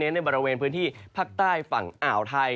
ก็เน้นในบริเวณพรรคไทยอ่าวไทย